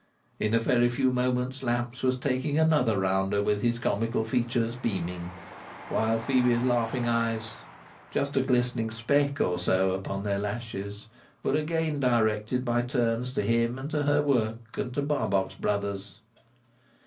In a very few moments, Lamps was taking another rounder with his comical features beaming, while Phœbe's laughing eyes (just a glistening speck or so upon their lashes) were again directed by turns to him, and to her work, and to Barbox Brothers.